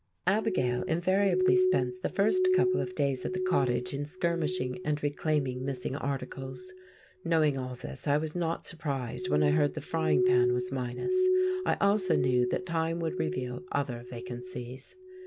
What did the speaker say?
Abigail invariably spends the first couple of days at the cottage in skirmishing and reclaiming missing articles. Knowing all this, I was not surprised when I heard the frying pan was minus; I also knew that time would reveal other vacancies.